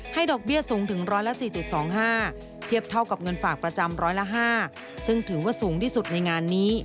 ให้ดอกเบี้ยสูงถึง๑๐๔๒๕บาท